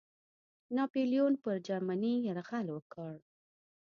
ناپلیون پر جرمني یرغل وکړ.